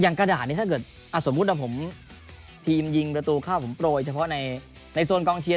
กระดาษนี้ถ้าเกิดสมมุติว่าผมทีมยิงประตูเข้าผมโปรยเฉพาะในโซนกองเชียร์